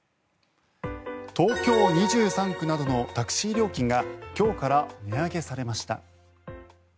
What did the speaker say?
東京２３区などのタクシー料金が今日から値上げされました。